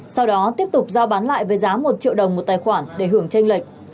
sau đó tiếp tục giao bán lại với giá một triệu đồng một tài khoản để hưởng tranh lệch